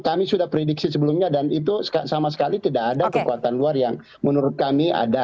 kami sudah prediksi sebelumnya dan itu sama sekali tidak ada kekuatan luar yang menurut kami ada